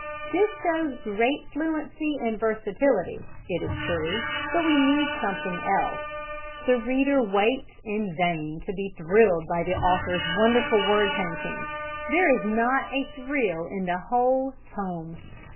This shows great fluency and versatility, it is true, but we need something else. The reader waits in vain to be thrilled by the author's wonderful word painting. There is not a thrill in the whole tome.